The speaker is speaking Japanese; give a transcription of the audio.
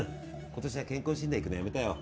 今年は健康診断行くのやめたよ